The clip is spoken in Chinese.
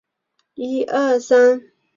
他也曾效力于卡利亚里。